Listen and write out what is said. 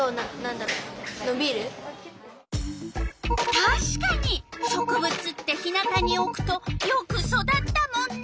たしかに植物って日なたにおくとよく育ったもんね。